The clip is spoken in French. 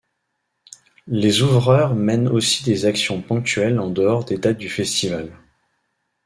Les Ouvreurs mènent aussi des actions ponctuelles en dehors des dates du festival.